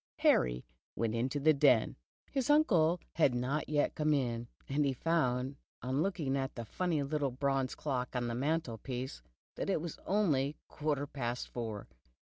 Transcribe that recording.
Ham* went to the den. His uncle had not yet come in, and he found, on looking at the funny little bronze clock on the mantelpiece, that it was only quarter past four.